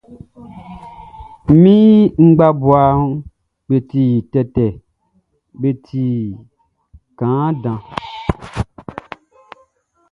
Mi ngbabuaʼm be ti tɛtɛ, be ti kaan kpa.